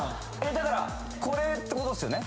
だからこれってことっすよね？